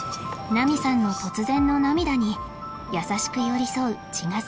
ナミさんの突然の涙に優しく寄り添う千賀さん